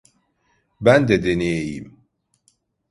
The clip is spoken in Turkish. Ben de deneyeyim.